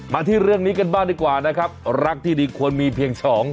ที่เรื่องนี้กันบ้างดีกว่านะครับรักที่ดีควรมีเพียงสอง